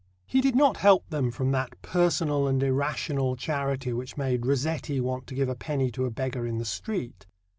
He did not help them from that personal and irrational charity which made Rossetti want to give a penny to a beggar in the street.